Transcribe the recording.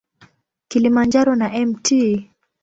Kilimanjaro na Mt.